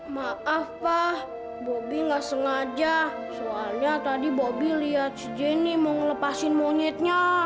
maaf pak bobby nggak sengaja soalnya tadi bobi lihat si jenny mau ngelepasin monyetnya